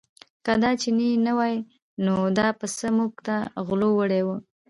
که دا چینی نه وای نو دا پسه موږ نه غلو وړی و.